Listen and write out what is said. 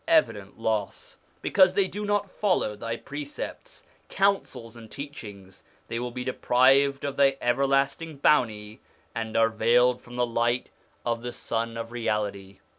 ON THE INFLUENCE OF THE PROPHETS 69 evident loss ; because they do not follow Thy precepts, counsels, and teachings, they will be deprived of Thy everlasting bounty, and veiled from the light of the Sun of Reality.